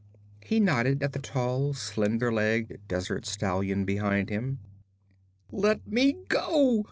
He nodded at the tall, slender legged desert stallion behind him. 'Let me go!'